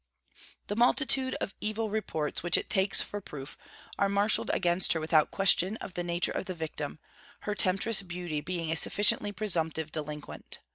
The multitudes of evil reports which it takes for proof, are marshalled against her without question of the nature of the victim, her temptress beauty being a sufficiently presumptive delinquent.